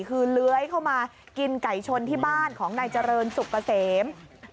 คือเลื้อยเข้ามากินไก่ชนที่บ้านของนายเจริญสุกเกษม